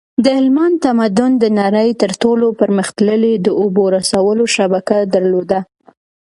د هلمند تمدن د نړۍ تر ټولو پرمختللی د اوبو رسولو شبکه درلوده